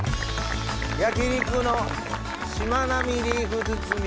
焼肉のしまなみリーフ包み。